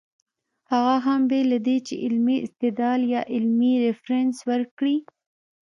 هغه هم بې له دې چې علمي استدلال يا علمي ريفرنس ورکړي